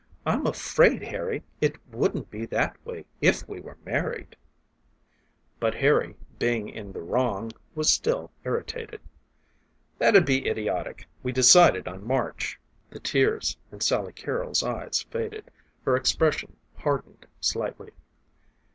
I'm afraid, Harry. It wouldn't be that way if we were married." But Harry, being in the wrong, was still irritated. "That'd be idiotic. We decided on March." The tears in Sally Carrol's eyes faded; her expression hardened slightly.